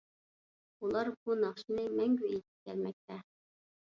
ئۇلار بۇ ناخشىنى مەڭگۈ ئېيتىپ كەلمەكتە.